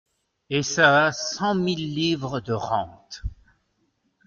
Et ça a cent mille livres de rente !…